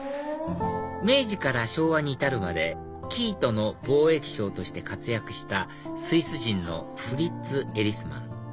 明治から昭和に至るまで生糸の貿易商として活躍したスイス人のフリッツ・エリスマン